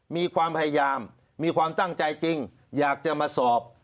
มีความพยายามมีความตั้งใจจริงอยากจะมาสอบ